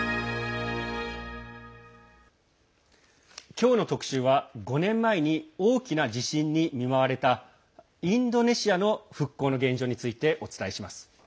今日の特集は、５年前に大きな地震に見舞われたインドネシアの復興の現状についてお伝えします。